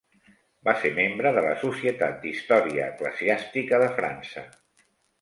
Va ser membre de la societat d'Història Eclesiàstica de França.